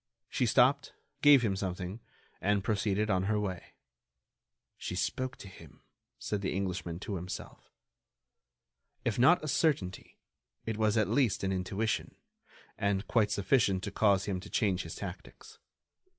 She stopped, gave him something, and proceeded on her way. "She spoke to him," said the Englishman to himself. If not a certainty, it was at least an intuition, and quite sufficient to cause him to change his tactics.